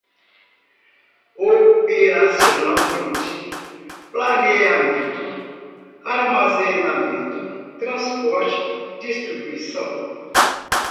operacionalmente, planeamento, armazenamento, transporte, distribuição